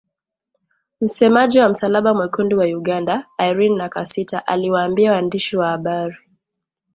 Msemaji wa Msalaba Mwekundu wa Uganda Irene Nakasita aliwaambia waandishi wa habari